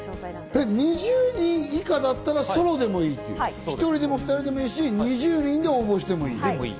２０人以下だったらソロでもいい、１人でも２人でもいいし、２０人で応募してもいい？